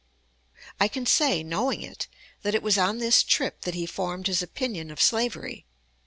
I can say, knowing it, that it was on this trip that he formed his opinion of slavery.